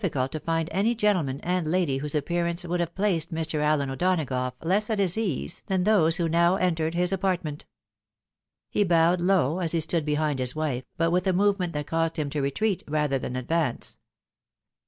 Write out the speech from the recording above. cult to find any gentleman and lady whose appearance would have placed Mr. Allen O'Donagough less at his ease than those who now entered his apartment. He bowed low, as he stood behind his wife, but with a movement that caused him to retreat, rather than advance.